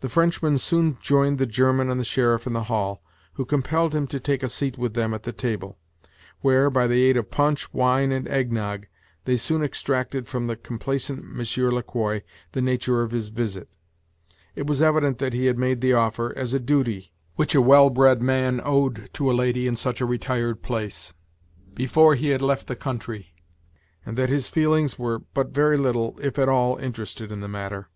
The Frenchman soon joined the German and the sheriff in the hall, who compelled him to take a seat with them at the table, where, by the aid of punch, wine, and egg nog, they soon extracted from the complaisant Monsieur Le Quoi the nature of his visit, it was evident that he had made the offer, as a duty which a well bred man owed to a lady in such a retired place, before he had left the country, and that his feelings were but very little, if at all, interested in the matter.